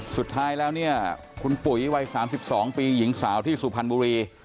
สุดท้ายแล้วเนี่ยคุณปุ๋ยวัย๓๒ปีหญิงสาวที่สุพรรณบุรี